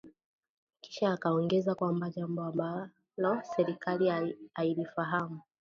Kisha akaongeza kwamba jambo ambalo serikali hailifahamu